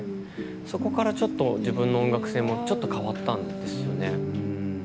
そこからちょっと自分の音楽性もちょっと変わったんですよね。